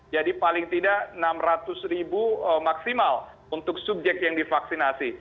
jadi paling tidak enam ratus ribu maksimal untuk subjek yang divaksinasi